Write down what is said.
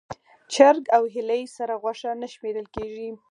چرګ او هیلۍ سره غوښه نه شمېرل کېږي.